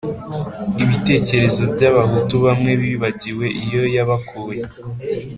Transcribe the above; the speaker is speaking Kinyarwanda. ibitekerezo by’abahutu bamwe bibagiwe iyo yabakuye.